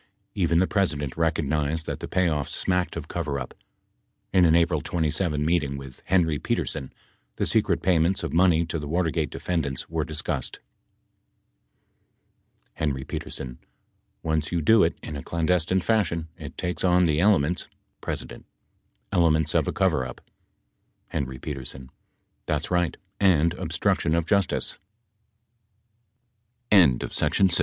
Even the President recognized that the payoffs smacked of coverup. In an April 27 meet ing with Henry Petersen, the secret payments of money to the Water gate defendants were discussed : HP. ... Once you do it in a clandestine fashion, it takes on the elements — P. Elements of a coverup. HP. That's right, and obstruction of justice. [Edited Pres idential Conversations, p.